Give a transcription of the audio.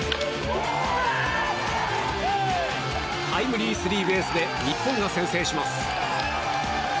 タイムリースリーベースで日本が先制します。